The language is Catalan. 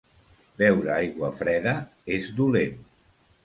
Beure aigua freda és dolent.